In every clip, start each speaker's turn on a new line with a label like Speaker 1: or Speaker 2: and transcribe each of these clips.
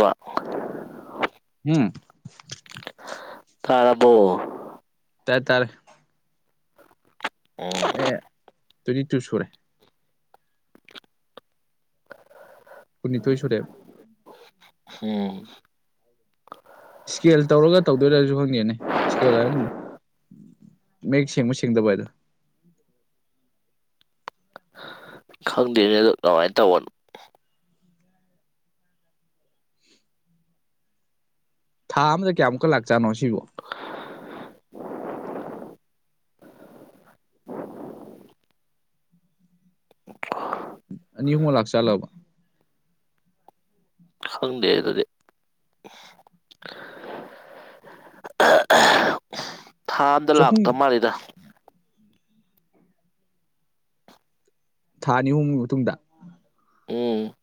Speaker 1: ꯋꯥ
Speaker 2: ꯍꯨꯝ꯫
Speaker 1: ꯇꯥꯔꯕꯣ꯫
Speaker 2: ꯇꯥꯏ ꯇꯥꯔꯦ꯫
Speaker 1: ꯑꯣ꯫
Speaker 2: ꯑꯦ ꯇ꯭ꯋꯦꯟꯇꯤ ꯇꯨ ꯁꯨꯔꯦ꯫ ꯀꯨꯅꯤꯊꫭꯏ ꯁꯨꯔꯦ꯫
Speaker 1: ꯑꫭ꯫
Speaker 2: ꯏꯁꯀꯦꯜ ꯇꯧꯔꯒ ꯇꯧꯗꯣꯏꯔꯁꯨ ꯈꯪꯗꯦꯅꯦ ꯏꯁꯀꯦꯜ꯫ ꯃꯌꯦꯛ ꯁꯦꯡꯕ ꯁꯦꯡꯗꯕꯗ꯫
Speaker 1: ꯈꯪꯗꯦꯅꯦ ꯑꯗꯨ ꯀꯃꯥꯏꯅ ꯇꯧꯕꯅꯣ꯫
Speaker 2: ꯊꯥ ꯑꯃꯗ ꯀꯌꯥꯃꯨꯛꯀ ꯂꯥꯛꯆꯥꯅꯣ ꯁꯤꯕꯣ꯫ ꯑꯅꯤ ꯑꯍꯨꯝꯒ ꯂꯥꯛ ꯆꯥꯠꯂꯕ꯫
Speaker 1: ꯈꯪꯗꯦ ꯑꯗꯨꯗꯤ꯫ ꯊꯥ ꯑꯝꯗ
Speaker 2: ꯆꯍꯨꯝ
Speaker 1: ꯂꯥꯛꯇ ꯃꯥꯜꯂꯤꯗ꯫
Speaker 2: ꯊꯥ ꯑꯅꯤ ꯍꯨꯝ ꯃꯇꯨꯡꯗ
Speaker 1: ꯎꯝ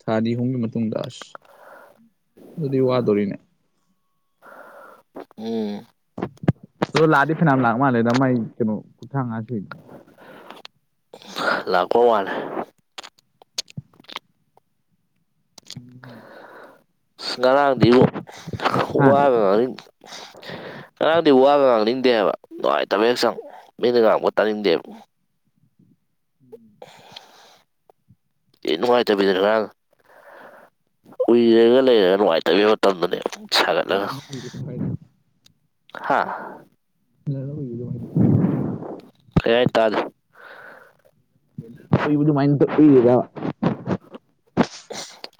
Speaker 2: ꯊꯥ ꯑꯅꯤ ꯑꯍꯨꯝꯒꯤ ꯃꯇꯨꯡꯗ ꯑꯥꯁ ꯑꯗꯨꯗꯤ ꯋꯥꯗꯣꯔꯤꯅꯦ
Speaker 1: ꯎꯝ
Speaker 2: ꯑ ꯂꯥꯗꯤ ꯐꯅꯥꯝ ꯂꯥꯛ ꯃꯥꯜꯂꯦꯗ ꯃꯥꯏ ꯀꯩꯅꯣ ꯀꯨꯊꯥꯡꯉ ꯁꯏ
Speaker 1: ꯂꯥꯛꯄ ꯃꯥꯟꯂꯦ
Speaker 2: ꯎꯝ ꯍꯝ
Speaker 1: ꯉꯔꯥꯡꯗꯤꯕꫭ ꯋꯥꯒꯉꯥꯡꯅꯤꯡ꯫
Speaker 2: ꯫ [inaudible]
Speaker 1: ꯉꯔꯥꯡꯗꯤ ꯋꯥ ꯉꯥꯡꯅꯤꯡꯗꯦꯕ ꯅꯨꯡꯉꯥꯏꯇꯕ ꯍꯛꯆꯥꯡ ꯃꯤꯅ ꯉꯥꯡꯕꯒ ꯇꯥꯅꯤꯡꯗꯦꯕ꯫
Speaker 2: ꯫
Speaker 1: ꯏ ꯅꯨꯡꯉꯥꯏꯇꯕꯤꯗꯅ ꯉꯔꯥꯡ ꯀꯨꯏꯔꯒ ꯂꯩꯔꯒ ꯅꯨꯡꯉꯥꯏꯇꯕꯤ ꯃꯇꯝꯗꯨꯅꯦ꯫
Speaker 2: ꯄꯨꯣ ꯐꯥꯏꯗ꯫
Speaker 1: ꯍꯥ꯫
Speaker 2: [unintelligible]
Speaker 1: ꯀꯩ ꯍꯥꯏꯅꯣ ꯇꯥꯗ꯭ꯔꯦ
Speaker 2: ꯍꯨꯏꯕꯨ ꯑꯗꯨꯃꯥꯏꯅ ꯐꯨꯔꯤꯔꯕ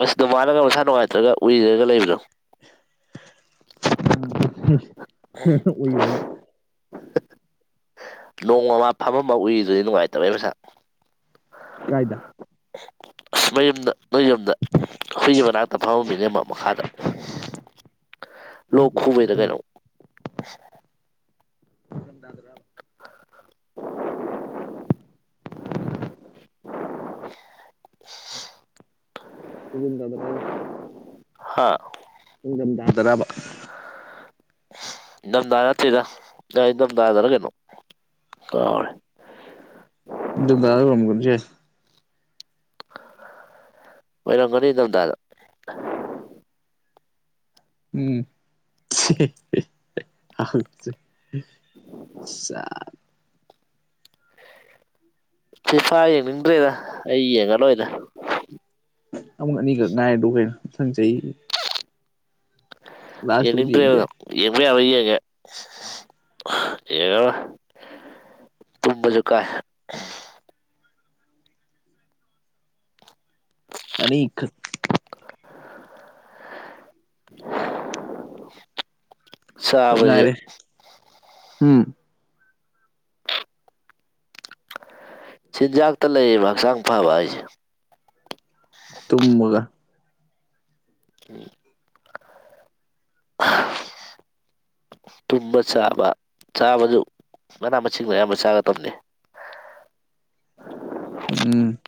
Speaker 1: ꯑꯁ ꯑꯗꯨꯃꯥꯏꯅꯒ ꯃꯁꯥ ꯅꯨꯡꯉꯥꯏꯇ꯭ꯔꯒ ꯎꯏꯔꯒ ꯂꯩꯕꯗꯣ
Speaker 2: ꯑꯍꯥ ꯑꯍꯥ ꯎꯏꯕ ꯍꯥꯏ
Speaker 1: ꯅꯣꯡꯃ ꯃꯥ ꯐꯝꯃꯝꯃꯒ ꯎꯏꯗ꯭ꯔꯥꯗꯤ ꯅꯨꯡꯉꯥꯏꯇꯕꯩ ꯃꯁꯥ
Speaker 2: ꯀꯥꯏꯗ
Speaker 1: ꯑꯁ ꯃꯌꯨꯝꯗ ꯃꯌꯨꯝꯗ ꯍꯨꯏꯒꯤ ꯃꯅꯥꯛꯇ ꯐꯝꯃꯝꯃꯤꯅꯦ ꯃꯥ ꯃꯈꯥꯗ
Speaker 2: [inaudible]
Speaker 1: ꯂꯣꯛ
Speaker 2: ꯑꯗꯨ
Speaker 1: ꯈꯨꯕꯩꯔ ꯀꯩꯅꯣ
Speaker 2: ꯏꯪꯊꯝꯊꯥꯗꯔꯕ
Speaker 1: [inaudible] ꯏꯁ
Speaker 2: ꯑꯗꯨꯝꯗꯕ ꯗꯥꯏꯅꯣ
Speaker 1: ꯍꯥꯥ
Speaker 2: ꯏꯪꯗꯝꯗꯥ ꯗꯔꯕ
Speaker 1: ꯏꯪꯗꯝꯗꯥ ꯅꯠꯇꯦꯗ ꯑ ꯏꯪꯗꯝꯗꯥꯗꯔ ꯀꯩꯅꯣ ꯀꯥꯎꯔꯦ
Speaker 2: ꯗꯨꯕꯥꯔꯣ ꯀꯝꯒꯁꯦ
Speaker 1: ꯑꯣꯏꯔꯝꯒꯅꯤ ꯏꯪꯗꯝꯗꯥꯗ
Speaker 2: ꯎꯝ ꯍꯤ ꯍꯤ ꯍꯥꯝ ꯁꯥ
Speaker 1: ꯐꯤꯐꯥ ꯌꯦꯡꯅꯤꯡꯗ꯭ꯔꯦꯗ ꯑꯩ ꯌꯦꯡꯉꯥ ꯂꯣꯏꯔꯦ
Speaker 2: ꯑꯃꯨꯛ ꯑꯅꯤꯈꯛ ꯉꯥꯏꯔꯗꯨꯕꯨ ꯀꯩꯅꯣ ꯃꯊꯪ ꯆꯍꯤꯒꯤ ꯂꯥꯁꯇꯕꯨꯗꯤ
Speaker 1: ꯌꯦꯡꯅꯤꯡꯗ꯭ꯔꯦꯕ
Speaker 2: ꯌꯦꯡꯕ ꯌꯥꯏ
Speaker 1: ꯌꯦꯡꯕ ꯌꯥꯕ ꯌꯦꯡꯌꯦ ꯌꯦꯡꯉꯥꯔꯣꯏ ꯇꯨꯝꯕꯁꯖꯨ ꯀꯥꯏ
Speaker 2: ꯑꯅꯤꯈꯛ
Speaker 1: ꯍꯥ ꯍꯥ ꯍꯥ ꯍꯥꯝ
Speaker 2: ꯏꯊꯟ ꯉꯥꯏꯔꯦ ꯎꯝ
Speaker 1: ꯆꯤꯟꯖꯥꯛꯇ ꯂꯩꯑꯦꯕ ꯍꯛꯆꯥꯡ ꯐꯕ ꯍꯥꯏꯁꯦ
Speaker 2: ꯇꯨꯝꯃꯒ
Speaker 1: ꯑꯨꯝ ꯇꯨꯝꯕ ꯆꯥꯕ ꯆꯥꯕꯁꯨ ꯃꯅꯥ ꯃꯁꯤꯡ ꯃꯌꯥꯝ ꯑꯃ ꯆꯥꯒꯗꯕꯅꯦ
Speaker 2: ꯎꯝ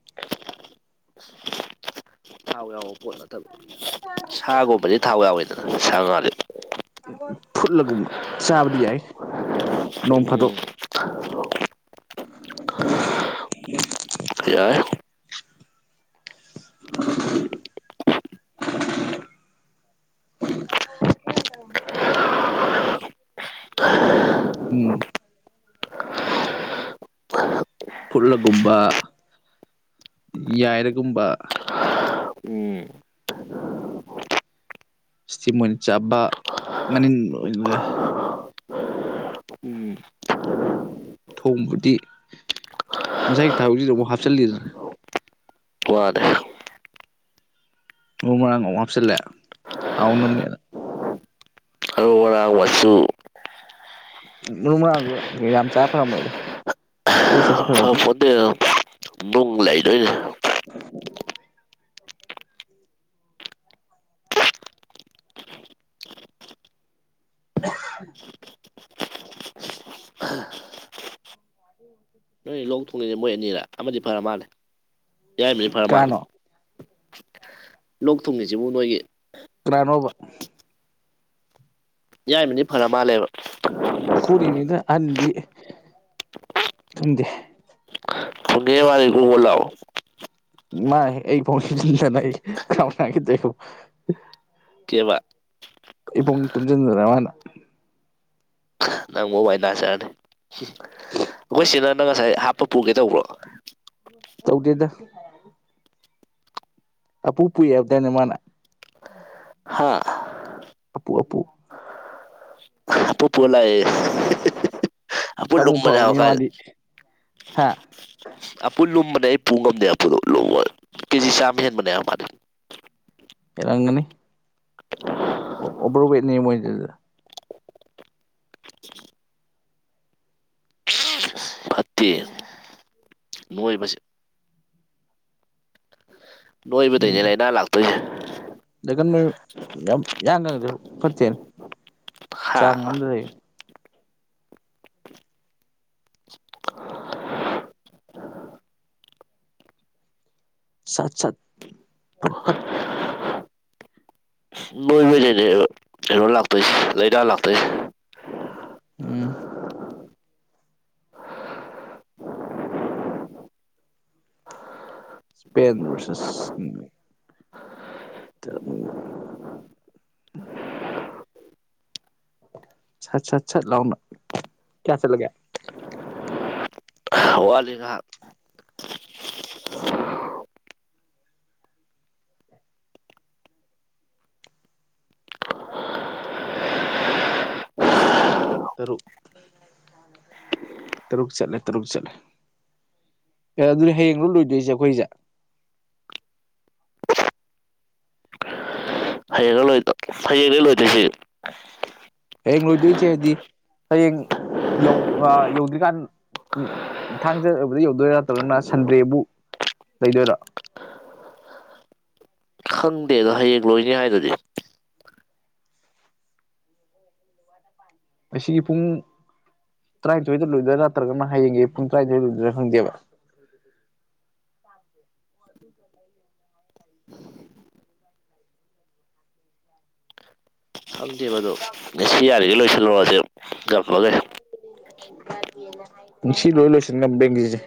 Speaker 1: ꯊꯥꯎ ꯌꯥꯎꯕ ꯄꯣꯠ ꯅꯠꯇꯕ ꯁꯥꯒꯨꯝꯕꯗꯤ ꯊꯥꯎ ꯌꯥꯎꯋꯤꯗꯅ ꯁꯥ ꯉꯥꯗꯤ
Speaker 2: ꯐꯨꯠꯂꯒꯨꯝꯕ ꯆꯥꯕꯗꯤ ꯌꯥꯏ ꯅꯣꯡ ꯐꯥꯗꯣꯛ
Speaker 1: ꯎꯝ
Speaker 2: [inaudible]
Speaker 1: ꯌꯥꯏ
Speaker 2: [unintelligible] ꯎꯝ ꯐꯨꯠꯂꯒꯨꯝꯕ ꯌꯥꯏꯔꯒꯨꯝꯕ
Speaker 1: ꯎꯝ
Speaker 2: ꯏꯁꯇꯤꯝ ꯑꯣꯏꯅ ꯆꯥꯕ ꯃꯅꯤꯟ ꯑꯣꯏꯒ꯭ꯔꯦ
Speaker 1: ꯎꯝ
Speaker 2: ꯊꯣꯡꯕꯗꯤ ꯉꯁꯥꯏꯒꯤ ꯊꯕꯛꯁꯤꯗ ꯑꯃꯨꯛ ꯍꯥꯞꯆꯜꯂꯤꯗꯅ
Speaker 1: ꯋꯥꯗꯦ
Speaker 2: ꯃꯔꯨ ꯃꯔꯥꯡ ꯑꯃꯨꯛ ꯍꯥꯞꯆꯜꯂꯦ ꯍꯥꯎꯅꯝꯅꯦꯅ
Speaker 1: ꯃꯔꯨ ꯃꯔꯥꯡ ꯃꯆꯨ
Speaker 2: ꯃꯔꯨ ꯃꯔꯥꯡꯖꯨ ꯌꯥꯝ ꯆꯥꯕ ꯐꯔꯝꯃꯣꯏꯗ
Speaker 1: ꯐꯄꯣꯟꯇꯦ ꯅꯨꯡ ꯂꯩꯗꯣꯏꯅꯦ
Speaker 2: ꯑꯍꯝ
Speaker 1: ꯄꯨꯡꯅꯤꯅꯤ ꯃꯣꯏ ꯑꯅꯤꯔ ꯑꯃꯗꯤ ꯐꯔ ꯃꯥꯜꯂꯦ ꯌꯥꯏꯃꯗꯤ ꯐꯔ ꯃꯥꯜꯂꯦ
Speaker 2: ꯀꯅꯥꯅꯣ
Speaker 1: ꯂꯣꯛ ꯊꯨꯡꯉꯤꯖꯤꯕꯨ ꯅꯣꯏꯒꯤ
Speaker 2: ꯀꯔꯥꯅꯣꯕ
Speaker 1: ꯌꯥꯏꯃꯅꯤ ꯐꯔꯥ ꯃꯥꯜꯂꯦꯕ
Speaker 2: ꯈꯨꯔꯤꯅꯤꯗ ꯑꯍꯟꯗꯤ ꯈꯪꯗꯦ
Speaker 1: ꯐꯣꯒꯦ ꯃꯥꯅꯤ ꯀꯣꯕꯣ ꯂꯥꯎ
Speaker 2: ꯃꯥ ꯑꯩ ꯐꯥꯎ [unintelligible] ꯀꯥꯎꯅꯒꯤꯗꯦꯕꯣ
Speaker 1: ꯀꯦꯕ
Speaker 2: ꯏ ꯄꯨꯡ ꯇꯨꯝꯖꯤꯟꯗꯅ ꯃꯥꯅ
Speaker 1: ꯅꯪꯕꯨꯕꯥꯏ ꯅꯥꯖꯔꯅꯤ ꯑꯩꯈꯣꯏ ꯁꯤꯅ ꯅꯪ ꯉꯁꯥꯏ ꯍꯥꯞꯄ ꯄꯨꯒꯦ ꯇꯧꯕ꯭ꯔꯣ
Speaker 2: ꯇꯧꯗꯦꯗ ꯑꯄꯨ ꯄꯨꯏꯌꯦꯞꯗꯦꯅꯦ ꯃꯥꯅ
Speaker 1: ꯍꯥꯥ
Speaker 2: ꯑꯄꯨ ꯑꯄꯨ
Speaker 1: ꯑꯄꯨ ꯄꯨꯔ ꯂꯥꯛꯑꯦ ꯑꯄꯨ
Speaker 2: ꯁꯥꯃꯨ
Speaker 1: ꯂꯨꯝꯕꯅꯦ ꯍꯥ
Speaker 2: ꯐꯕꯅꯤ
Speaker 1: ꯀꯥꯏ
Speaker 2: ꯃꯥꯗꯤ ꯍꯥ
Speaker 1: ꯑꯄꯨꯜ ꯂꯨꯝꯕꯅꯦ ꯑꯩ ꯄꯨ ꯉꯝꯗꯦ ꯑꯄꯨꯗꯣ ꯂꯨꯝꯕ ꯀꯦꯖꯤ ꯆꯥꯝꯃ ꯍꯦꯟꯕꯅꯦ ꯃꯗꯤ
Speaker 2: ꯍꯦꯜꯂꯪꯒꯅꯤ ꯑꯣ ꯑꯣꯚꯦꯔ ꯋꯦꯠꯅꯦ ꯃꯣꯏꯗꯨꯗꯤ
Speaker 1: ꯐꯠꯇꯦ ꯅꯣꯏꯕꯁꯤ ꯅꯣꯏꯕ ꯗꯩꯅꯦ ꯂꯩꯅ ꯂꯥꯛꯇꯣꯏꯖꯦ
Speaker 2: ꯗꯀꯟꯅ ꯌꯥꯝ ꯌꯥꯡꯅꯖꯨ ꯐꯠꯇꯦ
Speaker 1: ꯍꯥ
Speaker 2: ꯆꯥꯡ ꯑꯝꯗ ꯂꯩ ꯁꯥꯠ ꯁꯠ ꯐꯠ ꯐꯠ
Speaker 1: ꯅꯣꯏꯕꯩꯗꯅꯦꯕ ꯀꯩꯅꯣ ꯂꯥꯛꯇꯣꯏꯁ ꯂꯥꯏꯅ ꯂꯥꯛꯇꯣꯏꯁ
Speaker 2: ꯎꯝ ꯄꯦꯟꯗ ꯔꯁꯁ [unintelligible] ꯁꯠ ꯁꯠ ꯁꯠ ꯂꯥꯎꯅ ꯀꯌꯥ ꯆꯠꯂꯒꯦ
Speaker 1: ꯍꯋꯥꯂꯤ ꯉꯍꯥꯛ
Speaker 2: ꯇꯔꯨꯛ ꯇꯔꯨꯛ ꯆꯠꯂꯦ ꯇꯔꯨꯛ ꯆꯠꯂꯦ ꯑꯦ ꯑꯗꯨꯗꯤ ꯍꯌꯦꯡꯂꯣ ꯂꯣꯏꯗꯣꯏꯖꯦ ꯑꯩꯈꯣꯏꯖꯦ
Speaker 1: ꯍꯩꯔꯒ ꯂꯣꯏꯗꯣ ꯍꯌꯦꯡꯅꯦ ꯂꯣꯏꯗꯣꯏꯁꯦ
Speaker 2: ꯍꯌꯦꯡ ꯂꯣꯏꯗꯣꯏꯖꯦꯗꯤ ꯍꯌꯦꯡ ꯌꯧ ꯑꯥ ꯌꯧꯗ꯭ꯔꯤꯀꯥꯟ ꯎꯝ ꯊꯥꯡꯖꯕꯗꯤ ꯌꯧꯗꯣꯏꯔꯥ ꯅꯠꯇ꯭ꯔꯒꯅ ꯁꯟꯗ꯭ꯔꯦꯕꯨ ꯂꯩꯗꯣꯏꯔ
Speaker 1: ꯈꯪꯗꯦꯗ ꯍꯌꯦꯡ ꯂꯣꯏꯅꯤ ꯍꯥꯏꯗꯨꯗꯤ
Speaker 2: ꯑꯁꯤꯒꯤ ꯄꯨꯡ ꯇꯔꯥꯅꯤꯊꯣꯏꯗ ꯂꯣꯏꯗꯣꯏꯔꯥ ꯅꯠꯇ꯭ꯔꯒꯅ ꯍꯌꯦꯡꯒꯤ ꯄꯨꯡ ꯇꯔꯥꯅꯤꯊꯣꯏꯗ ꯂꯣꯏꯗꯣꯏꯔꯥ ꯈꯪꯗꯦꯕ ꯎ ꯊꯦ
Speaker 1: ꯈꯪꯗꯦꯕꯗꯣ ꯉꯁꯤ ꯌꯥꯔꯤꯉꯩ ꯂꯣꯏꯁꯤꯜꯂꯨꯔꯁꯦ ꯀꯛꯂꯒꯦ
Speaker 2: ꯉꯁꯤ ꯂꯣꯏ ꯂꯣꯏꯁꯤꯟ ꯉꯝꯕ ꯌꯦꯡꯒꯤꯖꯦ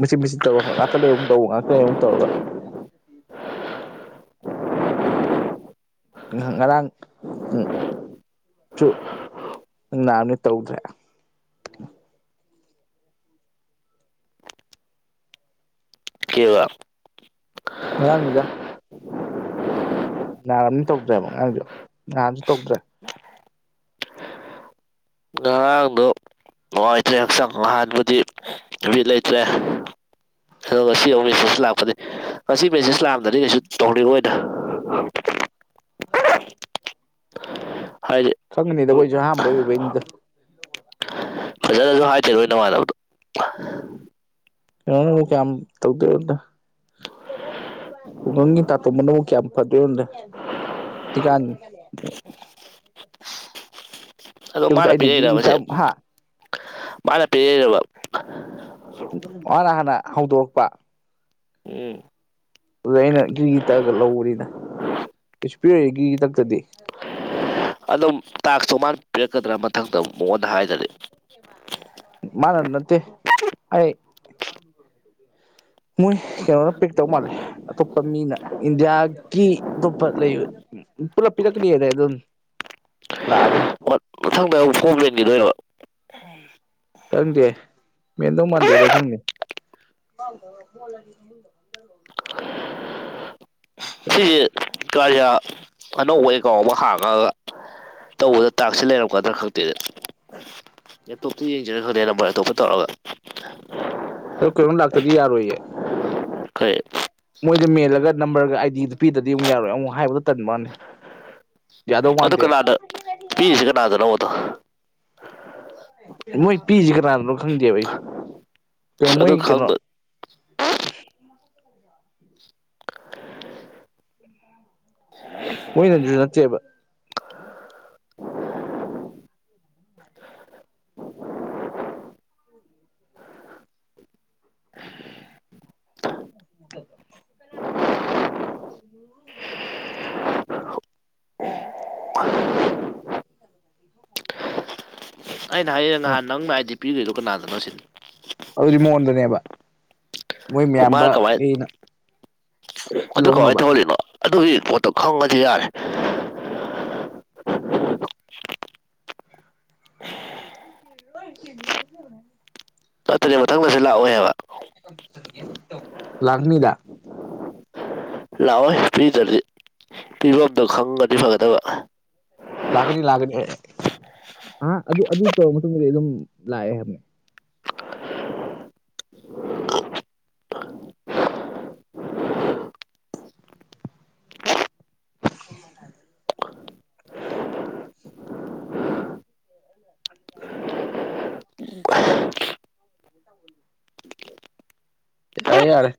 Speaker 2: ꯃꯦꯠ ꯃꯆꯤꯟ ꯇꯧꯒ ꯉꯥꯛꯇ ꯂꯩ ꯑꯃꯨꯛ ꯇꯧ ꯉꯥꯛꯇ ꯂꯩ ꯑꯃꯨ ꯇꯧꯔꯒ ꯉꯔꯥꯡ ꯁꯨ ꯅꯥꯕꯅꯤ ꯇꯧꯗ꯭ꯔꯦ
Speaker 1: ꯀꯩꯕ
Speaker 2: ꯉꯔꯥꯡꯅꯤꯗ ꯅꯥꯔꯝꯅꯤ ꯇꯧꯗ꯭ꯔꯦꯕ ꯉꯔꯥꯡꯖꯨ ꯅꯍꯥꯟꯖꯨ ꯇꯧꯗ꯭ꯔꯦ
Speaker 1: ꯉꯔꯥꯡꯗꯣ ꯅꯨꯡꯉꯥꯏꯇ꯭ꯔꯦ ꯍꯛꯆꯥꯡ ꯉꯍꯥꯟꯕꯨꯗꯤ ꯅꯨꯃꯤꯠ ꯂꯩꯇ꯭ꯔꯦ ꯑꯗꯣ ꯉꯁꯤ ꯑꯃꯨꯛ ꯃꯦꯁꯦꯁ ꯂꯥꯛꯄꯅꯦ ꯉꯁꯤ ꯃꯦꯁꯦꯖ ꯂꯥꯛꯑꯝꯗꯗꯤ ꯀꯩꯁꯨ ꯇꯧꯅꯤꯡꯉꯣꯏꯗ [unintelligible]
Speaker 2: [unintelligible]
Speaker 1: ꯍꯥꯏꯗꯤ
Speaker 2: ꯈꯪꯉꯅꯤꯗ
Speaker 1: ꯎꯝ
Speaker 2: ꯑꯩꯈꯣꯏꯁꯨ ꯑꯍꯥꯟꯕ ꯑꯣꯏꯕꯩꯅꯤꯗ
Speaker 1: ꯅꯪꯖꯄ ꯍꯥꯏꯁꯤꯔꯣ ꯅꯃꯥꯟꯅꯕꯗꯣ
Speaker 2: ꯀꯩꯅꯣꯅꯕꯨ ꯀꯌꯥꯝ ꯇꯧꯗꯣꯏ ꯅꯣꯗ ꯈꯨꯡꯒꯪꯒꯤ ꯇꯥꯇꯣꯝꯕꯅꯕꯨꯨ ꯀꯌꯥꯝ ꯐꯗꯣꯏꯅꯣꯗꯦ ꯁꯤꯀꯥꯟ
Speaker 1: ꯑꯗꯣ
Speaker 2: ꯑꯌꯨꯛꯇ
Speaker 1: ꯃꯥꯅ
Speaker 2: ꯑꯩꯅ ꯒꯤꯔꯤ
Speaker 1: ꯄꯤꯔꯛꯏꯔꯕꯁꯦ
Speaker 2: ꯇꯛ ꯍꯥ
Speaker 1: ꯃꯥꯅ ꯄꯤꯔꯛꯏꯔꯕ
Speaker 2: ꯃꯥꯅ ꯍꯥꯟꯅ ꯍꯧꯗꯣꯔꯛꯄ
Speaker 1: ꯎꯝ
Speaker 2: ꯑꯗꯨꯗ ꯑꯩꯅ ꯘ꯭ꯔꯤꯒꯤ ꯇꯛꯑꯒ ꯂꯧꯕꯅꯤꯗ ꯀꯩꯁꯨ ꯄꯤꯔꯛꯑꯣꯏ ꯘ꯭ꯔꯤꯒꯤ ꯇꯛꯇꯗꯤ
Speaker 1: ꯑꯗꯣ ꯇꯥꯛꯇꯣ ꯃꯥꯅ ꯄꯤꯔꯛꯀꯗ꯭ꯔꯥ ꯃꯊꯪꯗ ꯃꯉꯣꯟꯗ ꯍꯥꯏꯗꯔꯗꯤ
Speaker 2: ꯃꯥꯅ ꯅꯠꯇ ꯑꯩ ꯃꯣꯏ ꯀꯩꯅꯣꯅ ꯄꯤꯛ ꯇꯧ ꯃꯥꯜꯂꯦ ꯑꯇꯣꯞꯄ ꯃꯤꯅ ꯏꯟꯗꯤꯌꯥꯒꯤ ꯑꯇꯣꯞꯄ ꯂꯩꯕ ꯎ ꯄꯨꯂꯞ ꯄꯤꯔꯛꯂꯤꯅꯦ ꯑꯗꯨꯝ ꯂꯥꯛꯑꯗꯤ
Speaker 1: ꯄꯣꯝ ꯂꯦꯝꯒꯤꯗꯣꯏꯔꯕ
Speaker 2: ꯈꯪꯗꯦ ꯃꯦꯟꯗꯧ ꯃꯥꯟꯗꯦꯗꯣ ꯊꯪꯗꯤ
Speaker 1: ꯀꯔꯌꯥ ꯑꯅꯧꯕ ꯑꯦꯀꯥꯎ ꯑꯃ ꯍꯥꯡꯉꯒ ꯇꯧꯕꯗ ꯇꯥꯛꯁꯦ ꯂꯩꯔꯝꯒꯗ꯭ꯔꯥ ꯈꯪꯇꯦꯅꯦ ꯂꯦꯞꯇꯣꯞꯇ ꯌꯦꯡꯖꯤꯔ ꯈꯪꯗꯦꯅꯦ ꯅꯝꯕꯔ ꯑꯇꯣꯞꯄ ꯇꯧꯔꯒ
Speaker 2: ꯑꯗꯣ ꯀꯩꯅꯣꯝ ꯂꯥꯛꯇ꯭ꯔꯗꯤ ꯌꯥꯔꯣꯏꯌꯦ
Speaker 1: ꯀꯩ
Speaker 2: ꯃꯣꯏꯗ ꯃꯦꯜꯂꯒ ꯅꯝꯕꯔꯒ ꯑꯥꯏꯗꯤꯗꯨ ꯄꯤꯗꯔꯗꯤ ꯑꯃꯨꯛ ꯌꯥꯔꯣꯏ ꯑꯃꯨꯛ ꯍꯥꯏꯕꯗꯣ ꯇꯟꯕ ꯋꯥꯅꯤ
Speaker 1: ꯑꯗꯨ ꯀꯅꯥꯗ ꯄꯤꯔꯤꯁꯤ ꯀꯅꯥꯗꯅꯣꯕ ꯑꯗꯣ
Speaker 2: ꯃꯣꯏ ꯄꯤꯖꯦ ꯀꯅꯥꯗꯅꯣ ꯈꯪꯗꯦꯕ ꯑꯩꯁꯨ ꯀꯩꯅꯣ
Speaker 1: ꯑꯗꯨ
Speaker 2: ꯃꯣꯏ ꯀꯩꯅꯣ
Speaker 1: ꯈꯪꯕ
Speaker 2: [inaudible] [inaudible] ꯃꯣꯏꯅꯗꯤ ꯅꯠꯇꯦꯕ [unintelligible] [inaudible]
Speaker 1: ꯑꯩꯅ ꯍꯥꯏꯖꯦ
Speaker 2: ꯃꯣꯏ
Speaker 1: ꯉꯍꯟ ꯅꯪꯅ ꯑꯥꯏ ꯗꯤ ꯄꯤꯒ꯭ꯔꯤꯗꯣ ꯀꯅꯥꯗꯅꯣꯁꯤꯅꯤ
Speaker 2: ꯑꯗꯨꯗꯤ ꯃꯉꯣꯟꯗꯅꯦꯕ ꯃꯣꯏ
Speaker 1: ꯃꯥꯅ ꯀꯃꯥꯏ
Speaker 2: ꯃꯌꯥꯝꯕꯒꯩꯅ
Speaker 1: ꯑꯗꯨ ꯀꯃꯥꯏꯅ ꯇꯧꯜꯂꯤꯅꯣ ꯑꯗꯨꯒꯤ ꯄꯣꯠꯇꯣ ꯈꯪꯉꯗꯤ ꯌꯥꯔꯦ
Speaker 2: [inaudible] [unintelligible]
Speaker 1: ꯑꯗꯨꯅꯦ ꯃꯊꯪꯗꯁꯨ ꯂꯥꯛꯑꯣꯏ ꯍꯥꯏꯕ
Speaker 2: ꯂꯥꯛꯅꯤꯗꯥ
Speaker 1: ꯂꯥꯛꯑꯣꯏ ꯄꯤꯗ꯭ꯔꯗꯤ ꯄꯤꯕꯝꯗꯣ ꯈꯪꯉꯗꯤ ꯐꯒꯗꯕ
Speaker 2: ꯂꯥꯛꯀꯅꯤ ꯂꯥꯛꯀꯅꯤ ꯑꯦ ꯍꯥ ꯑꯗꯨ ꯇꯧꯔꯕ ꯃꯇꯨꯡꯗꯗꯤ ꯑꯗꯨꯝ ꯂꯥꯛꯑꯦ ꯍꯥꯏꯕꯅꯦ [unintelligible] ꯌꯥꯏ ꯌꯥꯔꯦ